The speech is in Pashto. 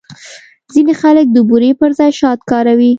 ځینې خلک د بوري پر ځای شات کاروي.